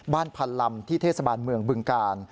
บ้านพรรณลำที่เทศบาลเมืองบึงกา